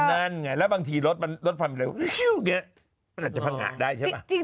นั่นไงแล้วบางทีรถมันลดฟังเร็วแบบนี้จะพังงะได้ใช่ไหม